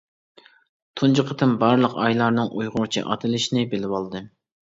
تۇنجى قېتىم بارلىق ئايلارنىڭ ئۇيغۇرچە ئاتىلىشىنى بىلىۋالدىم.